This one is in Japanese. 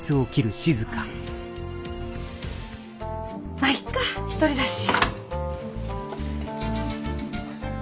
まあいっか一人だし。